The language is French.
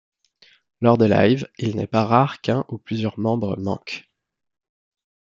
Lors des lives, il n'est pas rare qu'un ou plusieurs membres manquent.